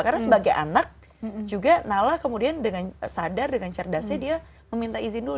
karena sebagai anak juga nala kemudian dengan sadar dengan cerdasnya dia meminta izin dulu